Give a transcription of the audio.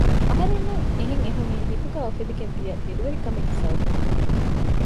އަހަރެންނަށް އެހެން އެހުނީ ހިތުގައި އުފެދިގެންދިޔަ ބިރުވެރިކަމެއްގެ ސަބަބުން